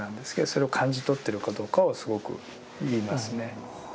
それを感じ取ってるかどうかをすごく言いますね。